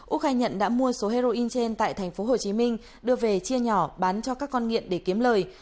út khai nhận đã mua số heroin trên tại thành phố hồ chí minh đưa về chia nhỏ bán cho các con nghiện để kiếm lời